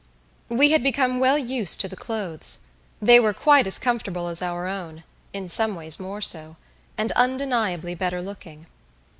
We had become well used to the clothes. They were quite as comfortable as our own in some ways more so and undeniably better looking.